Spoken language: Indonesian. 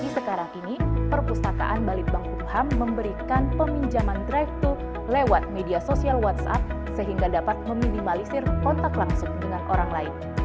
sekarang ini perpustakaan balitbang kumham memberikan peminjaman drive thru lewat media sosial whatsapp sehingga dapat meminimalisir kontak langsung dengan orang lain